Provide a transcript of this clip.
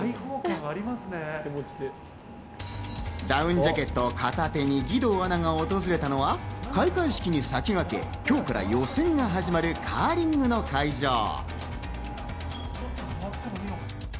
ダウンジャケットを片手に義堂アナが訪れたのは開会式に先駆け今日から予選が始まるカーリングの会場。